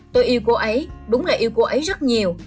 tôi yêu cô ấy đúng là yêu cô ấy rất nhiều